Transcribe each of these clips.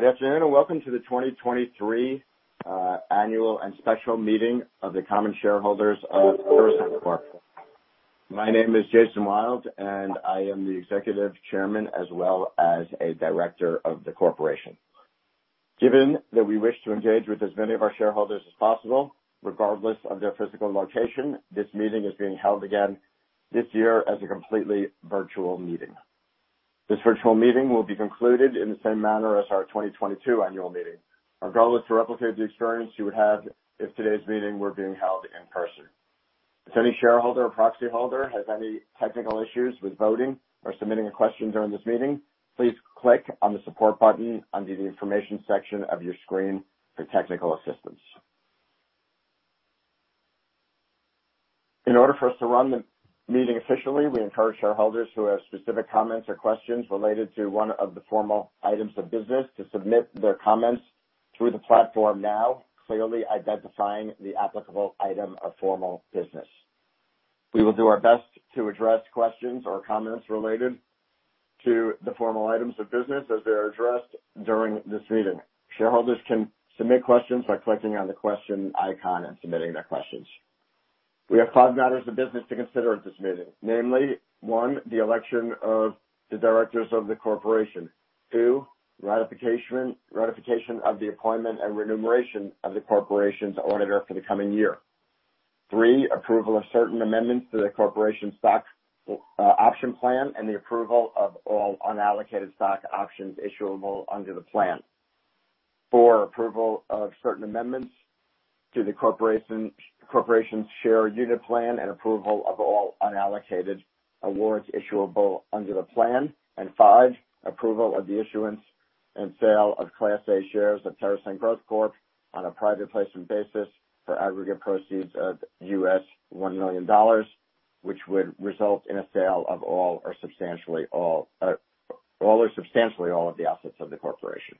Good afternoon, and welcome to the 2023 annual and special meeting of the common shareholders of TerrAscend Corp.. My name is Jason Wild, and I am the Executive Chairman as well as a director of the corporation. Given that we wish to engage with as many of our shareholders as possible, regardless of their physical location, this meeting is being held again this year as a completely virtual meeting. This virtual meeting will be concluded in the same manner as our 2022 annual meeting. Our goal is to replicate the experience you would have if today's meeting were being held in person. If any shareholder or proxy holder has any technical issues with voting or submitting a question during this meeting, please click on the support button under the information section of your screen for technical assistance. In order for us to run the meeting efficiently, we encourage shareholders who have specific comments or questions related to one of the formal items of business to submit their comments through the platform now, clearly identifying the applicable item of formal business. We will do our best to address questions or comments related to the formal items of business as they are addressed during this meeting. Shareholders can submit questions by clicking on the question icon and submitting their questions. We have 5 matters of business to consider at this meeting. Namely, 1, the election of the directors of the corporation. 2, ratification of the appointment and remuneration of the corporation's auditor for the coming year. 3, approval of certain amendments to the corporation stock option plan, and the approval of all unallocated stock options issuable under the plan. 4, approval of certain amendments to the corporation's share unit plan and approval of all unallocated awards issuable under the plan. 5, approval of the issuance and sale of Class A Shares of TerrAscend Growth Corp. on a private placement basis for aggregate proceeds of $1 million, which would result in a sale of all or substantially all of the assets of the corporation.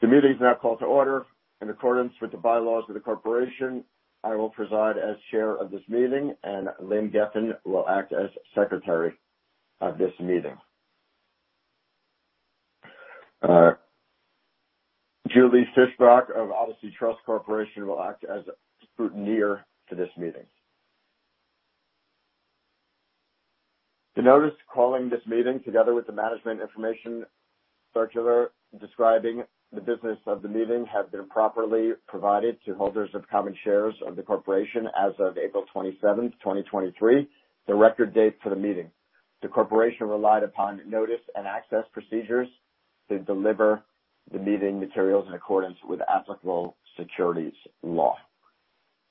The meeting is now called to order. In accordance with the bylaws of the corporation, I will preside as chair of this meeting, and Lynn Gefen will act as secretary of this meeting. Julie Fischbach of Odyssey Trust Company will act as scrutineer to this meeting. The notice calling this meeting, together with the management information circular describing the business of the meeting, have been properly provided to holders of common shares of the corporation as of April 27, 2023, the record date for the meeting. The corporation relied upon notice and access procedures to deliver the meeting materials in accordance with applicable securities law.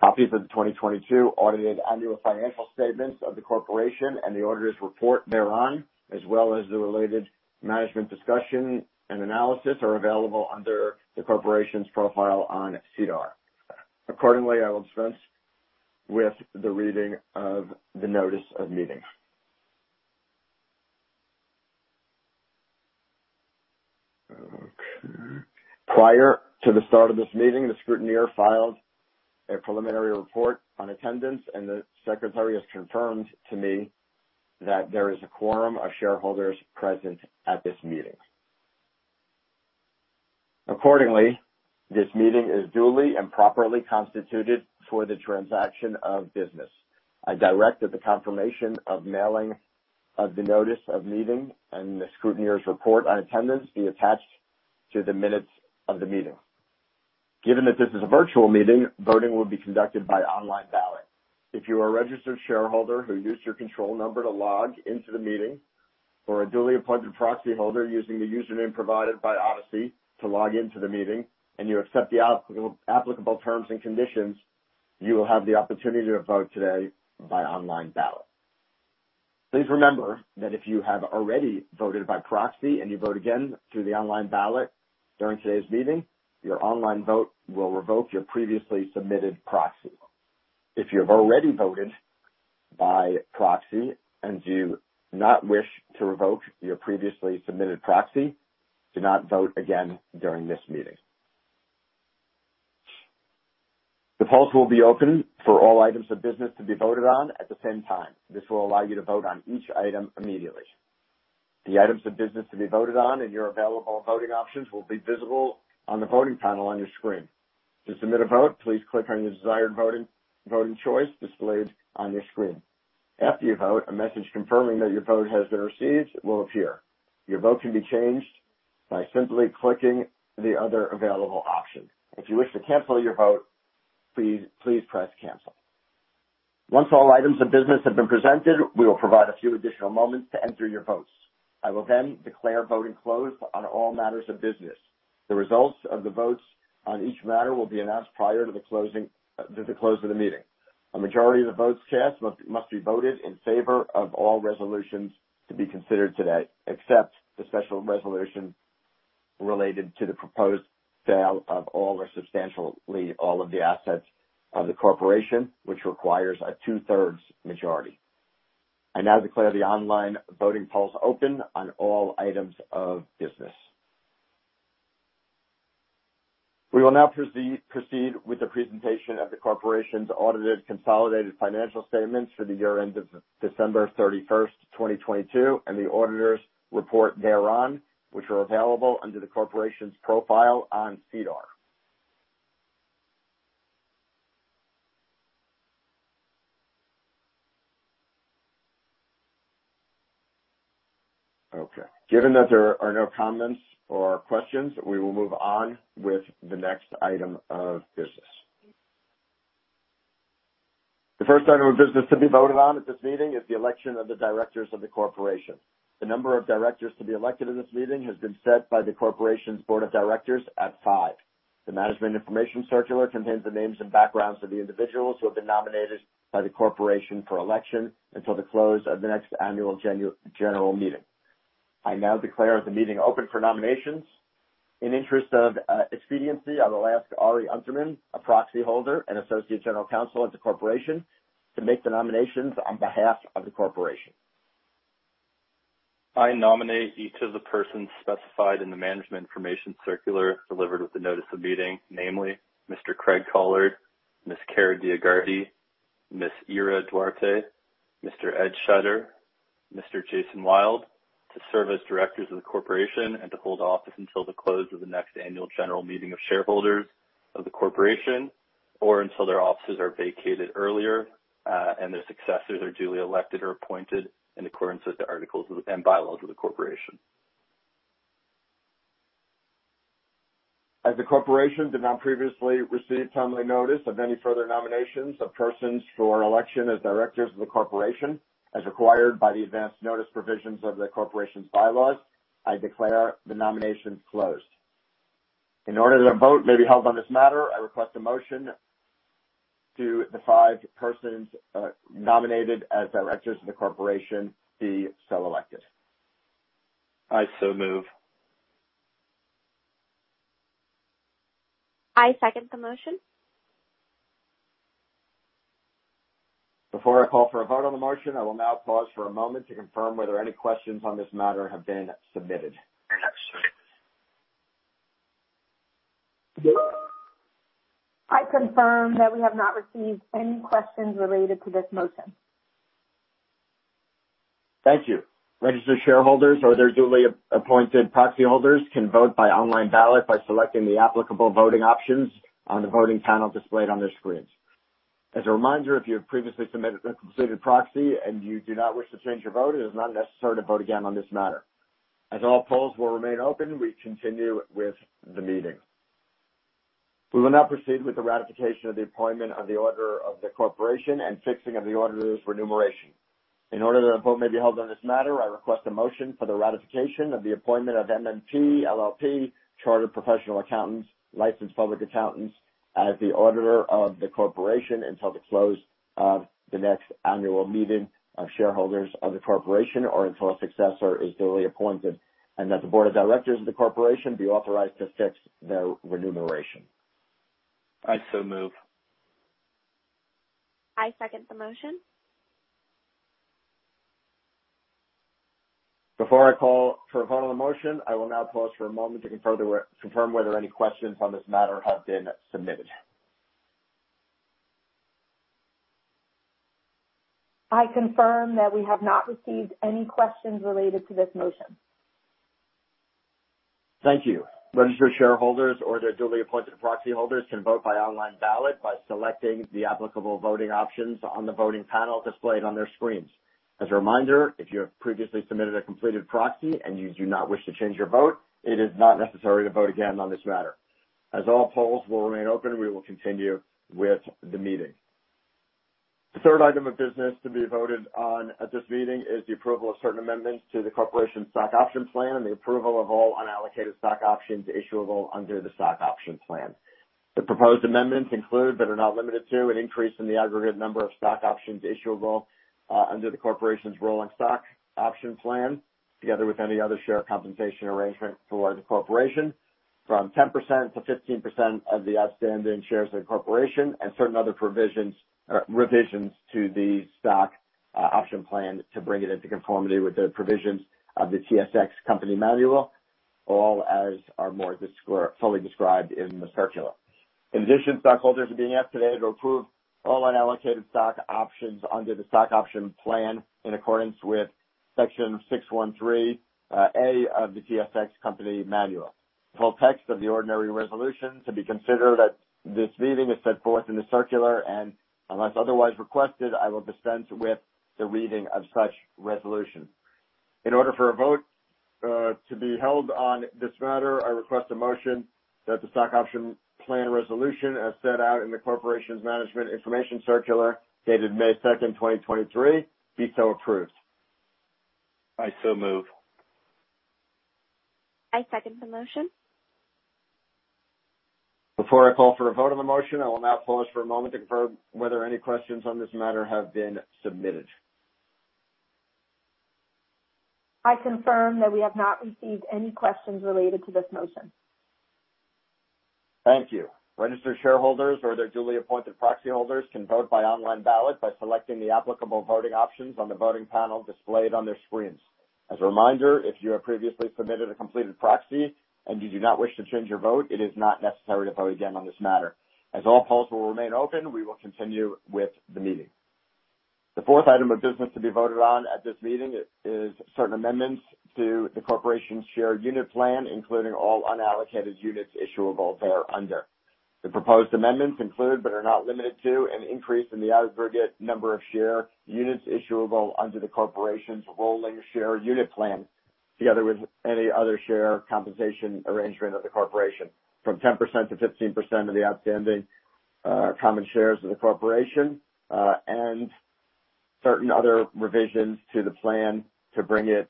Copies of the 2022 audited annual financial statements of the corporation and the auditor's report thereon, as well as the related management discussion and analysis, are available under the corporation's profile on SEDAR. Accordingly, I will commence with the reading of the notice of meeting. Okay. Prior to the start of this meeting, the scrutineer filed a preliminary report on attendance, and the secretary has confirmed to me that there is a quorum of shareholders present at this meeting. Accordingly, this meeting is duly and properly constituted for the transaction of business. I direct that the confirmation of mailing of the notice of meeting and the scrutineer's report on attendance be attached to the minutes of the meeting. Given that this is a virtual meeting, voting will be conducted by online ballot. If you are a registered shareholder who used your control number to log into the meeting, or a duly appointed proxy holder using the username provided by Odyssey to log into the meeting, and you accept the applicable terms and conditions, you will have the opportunity to vote today by online ballot. Please remember that if you have already voted by proxy and you vote again through the online ballot during today's meeting, your online vote will revoke your previously submitted proxy. If you have already voted by proxy and do not wish to revoke your previously submitted proxy, do not vote again during this meeting. The polls will be open for all items of business to be voted on at the same time. This will allow you to vote on each item immediately. The items of business to be voted on and your available voting options will be visible on the voting panel on your screen. To submit a vote, please click on your desired voting choice displayed on your screen. After you vote, a message confirming that your vote has been received will appear. Your vote can be changed by simply clicking the other available option. If you wish to cancel your vote, please press Cancel. Once all items of business have been presented, we will provide a few additional moments to enter your votes. I will then declare voting closed on all matters of business. The results of the votes on each matter will be announced prior to the close of the meeting. A majority of the votes cast must be voted in favor of all resolutions to be considered today, except the special resolution related to the proposed sale of all, or substantially all, of the assets of the corporation, which requires a two-thirds majority. I now declare the online voting polls open on all items of business. We will now proceed with the presentation of the corporation's audited consolidated financial statements for the year end of December 31st, 2022, and the auditor's report thereon, which are available under the corporation's profile on SEDAR. Okay, given that there are no comments or questions, we will move on with the next item of business. The first item of business to be voted on at this meeting is the election of the directors of the corporation. The number of directors to be elected in this meeting has been set by the corporation's board of directors at five. The management information circular contains the names and backgrounds of the individuals who have been nominated by the corporation for election until the close of the next annual general meeting. I now declare the meeting open for nominations. In interest of expediency, I will ask Ari Unterman, a proxy holder and Associate General Counsel at the corporation, to make the nominations on behalf of the corporation. I nominate each of the persons specified in the management information circular delivered with the notice of meeting, namely Mr. Craig Collard, Ms. Kara DioGuardi, Ms. Ira Duarte, Mr. Ed Schutter, Mr. Jason Wild, to serve as directors of the corporation and to hold office until the close of the next annual general meeting of shareholders of the corporation, or until their offices are vacated earlier, and their successors are duly elected or appointed in accordance with the articles and bylaws of the corporation. As the corporation did not previously receive timely notice of any further nominations of persons for election as directors of the corporation, as required by the advanced notice provisions of the corporation's bylaws, I declare the nomination closed. In order that a vote may be held on this matter, I request a motion to the five persons nominated as directors of the corporation be so elected. I so move. I second the motion. Before I call for a vote on the motion, I will now pause for a moment to confirm whether any questions on this matter have been submitted. I confirm that we have not received any questions related to this motion. Thank you. Registered shareholders or their duly appointed proxy holders can vote by online ballot by selecting the applicable voting options on the voting panel displayed on their screens. A reminder, if you have previously submitted a completed proxy and you do not wish to change your vote, it is not necessary to vote again on this matter. All polls will remain open, we continue with the meeting. We will now proceed with the ratification of the appointment of the order of the corporation and fixing of the auditor's remuneration. In order that a vote may be held on this matter, I request a motion for the ratification of the appointment of MNP LLP, chartered professional accountants, licensed public accountants, as the auditor of the corporation until the close of the next annual meeting of shareholders of the corporation, or until a successor is duly appointed, and that the board of directors of the corporation be authorized to fix their remuneration. I so move. I second the motion. Before I call for a vote on the motion, I will now pause for a moment to confirm whether any questions on this matter have been submitted. I confirm that we have not received any questions related to this motion. Thank you. Registered shareholders or their duly appointed proxy holders can vote by online ballot by selecting the applicable voting options on the voting panel displayed on their screens. As a reminder, if you have previously submitted a completed proxy and you do not wish to change your vote, it is not necessary to vote again on this matter. As all polls will remain open, we will continue with the meeting. The third item of business to be voted on at this meeting is the approval of certain amendments to the corporation's stock option plan and the approval of all unallocated stock options issuable under the stock options plan. The proposed amendments include, but are not limited to, an increase in the aggregate number of stock options issuable under the corporation's rolling stock option plan, together with any other share compensation arrangement for the corporation from 10%-15% of the outstanding shares of the corporation, and certain other provisions, revisions to the stock option plan to bring it into conformity with the provisions of the TSX Company Manual, all as are more fully described in the circular. In addition, stockholders are being asked today to approve all unallocated stock options under the stock option plan in accordance with Section 613(a) of the TSX Company Manual. The full text of the ordinary resolution to be considered at this meeting is set forth in the circular, and unless otherwise requested, I will dispense with the reading of such resolution. In order for a vote, to be held on this matter, I request a motion that the stock option plan resolution, as set out in the corporation's management information circular, dated May second, 2023, be so approved. I so move. I second the motion. Before I call for a vote on the motion, I will now pause for a moment to confirm whether any questions on this matter have been submitted. I confirm that we have not received any questions related to this motion. Thank you. Registered shareholders or their duly appointed proxy holders can vote by online ballot by selecting the applicable voting options on the voting panel displayed on their screens. As a reminder, if you have previously submitted a completed proxy and you do not wish to change your vote, it is not necessary to vote again on this matter. As all polls will remain open, we will continue with the meeting. The fourth item of business to be voted on at this meeting is certain amendments to the corporation's share unit plan, including all unallocated units issuable thereunder. The proposed amendments include, but are not limited to, an increase in the aggregate number of share units issuable under the corporation's rolling share unit plan, together with any other share compensation arrangement of the corporation from 10%-15% of the outstanding common shares of the corporation, and certain other revisions to the plan to bring it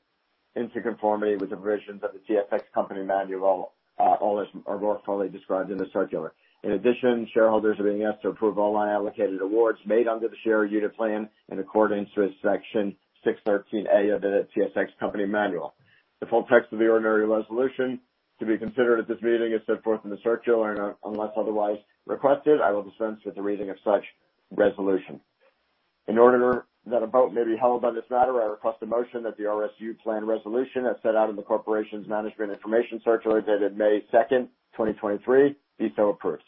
into conformity with the provisions of the TSX Company Manual. All are more fully described in the circular. Shareholders are being asked to approve all unallocated awards made under the share unit plan in accordance with Section 613(a) of the TSX Company Manual. The full text of the ordinary resolution to be considered at this meeting is set forth in the circular, unless otherwise requested, I will dispense with the reading of such resolution. In order that a vote may be held on this matter, I request a motion that the RSU plan resolution, as set out in the corporation's Management Information Circular, dated May 2, 2023, be so approved.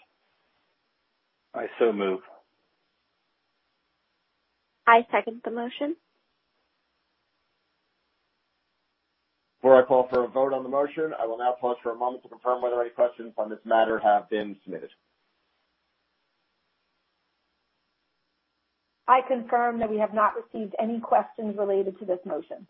I so move. I second the motion. Before I call for a vote on the motion, I will now pause for a moment to confirm whether any questions on this matter have been submitted. I confirm that we have not received any questions related to this motion.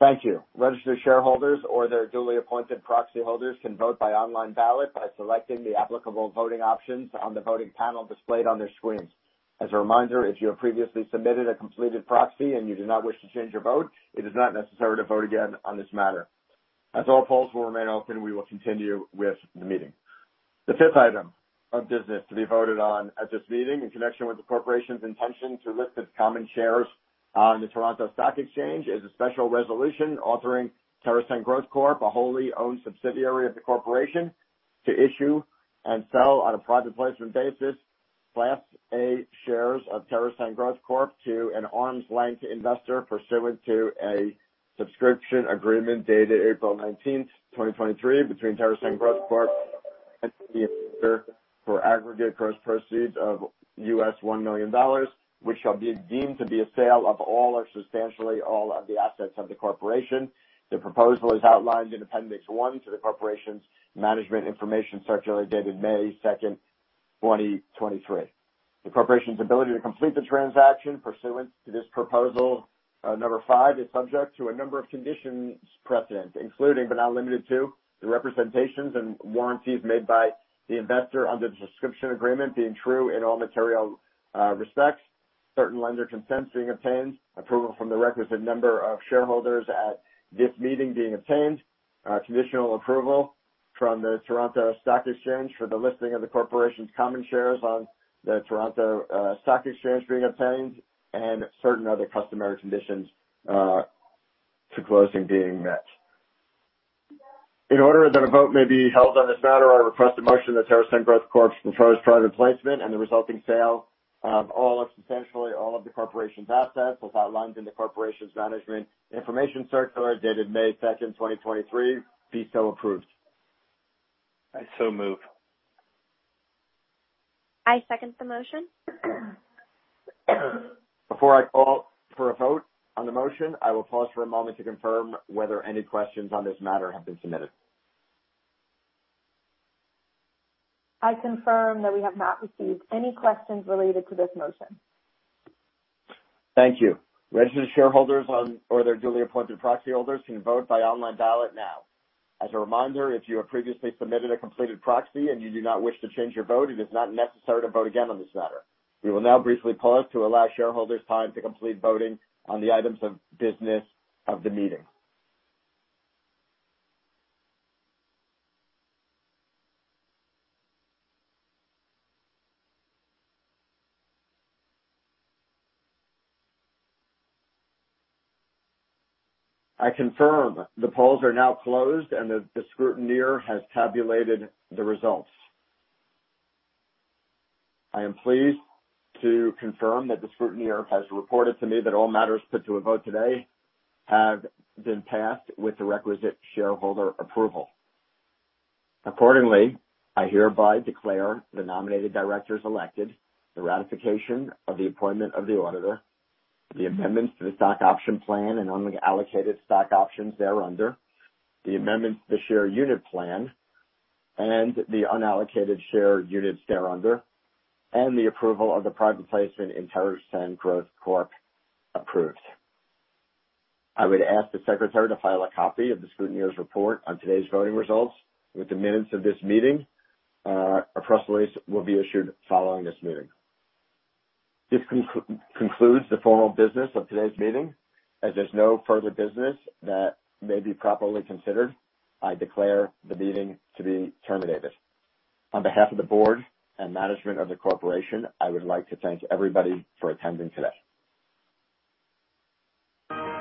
Thank you. Registered shareholders or their duly appointed proxy holders can vote by online ballot by selecting the applicable voting options on the voting panel displayed on their screens. As a reminder, if you have previously submitted a completed proxy and you do not wish to change your vote, it is not necessary to vote again on this matter. As all polls will remain open, we will continue with the meeting. The fifth item of business to be voted on at this meeting, in connection with the corporation's intention to list its common shares on the Toronto Stock Exchange, is a special resolution authorizing TerrAscend Growth Corp., a wholly owned subsidiary of the corporation, to issue and sell on a private placement basis, Class A Shares of TerrAscend Growth Corp. to an arm's length investor pursuant to a subscription agreement dated April 19, 2023, between TerrAscend Growth Corp. for aggregate gross proceeds of US $1 million, which shall be deemed to be a sale of all, or substantially all, of the assets of the corporation. The proposal is outlined in Appendix 1 to the corporation's Management Information Circular, dated May 2, 2023. The corporation's ability to complete the transaction pursuant to this proposal, number 5, is subject to a number of conditions precedent, including, but not limited to, the representations and warranties made by the investor under the subscription agreement being true in all material respects, certain lender consents being obtained, approval from the requisite number of shareholders at this meeting being obtained, conditional approval from the Toronto Stock Exchange for the listing of the corporation's common shares on the Toronto Stock Exchange being obtained, and certain other customary conditions to closing being met. In order that a vote may be held on this matter, I request a motion that TerrAscend Growth Corp.'s proposed private placement and the resulting sale of all, or substantially all, of the corporation's assets, as outlined in the corporation's Management Information Circular, dated May second, 2023, be so approved. I so move. I second the motion. Before I call for a vote on the motion, I will pause for a moment to confirm whether any questions on this matter have been submitted. I confirm that we have not received any questions related to this motion. Thank you. Registered shareholders or their duly appointed proxy holders, can vote by online ballot now. As a reminder, if you have previously submitted a completed proxy and you do not wish to change your vote, it is not necessary to vote again on this matter. We will now briefly pause to allow shareholders time to complete voting on the items of business of the meeting. I confirm the polls are now closed, the scrutineer has tabulated the results. I am pleased to confirm that the scrutineer has reported to me that all matters put to a vote today have been passed with the requisite shareholder approval. Accordingly, I hereby declare the nominated directors elected, the ratification of the appointment of the auditor, the amendments to the stock option plan, and unallocated stock options thereunder, the amendments to the share unit plan, and the unallocated share units thereunder, and the approval of the private placement in TerrAscend Growth Corp. approved. A press release will be issued following this meeting. This concludes the formal business of today's meeting. As there's no further business that may be properly considered, I declare the meeting to be terminated. On behalf of the board and management of the corporation, I would like to thank everybody for attending today.